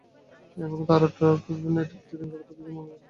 এবং তারা ডার্ক নেটে প্রতিদিন গড়ে তুলছে ম্যালওয়্যার এর মতো ভয়ংকর সফটওয়্যার।